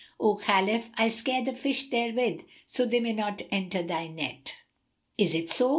"O Khalif, I scare the fish therewith, so they may not enter thy net." "Is it so?